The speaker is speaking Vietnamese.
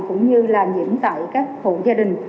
cũng như là nhiễm tại các hộ gia đình